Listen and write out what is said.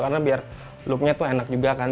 karena biar loopnya tuh enak juga kan